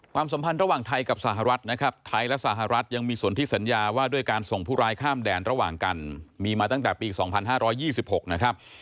สัมพันธ์ระหว่างไทยกับสหรัฐนะครับไทยและสหรัฐยังมีส่วนที่สัญญาว่าด้วยการส่งผู้ร้ายข้ามแดนระหว่างกันมีมาตั้งแต่ปี๒๕๒๖นะครับ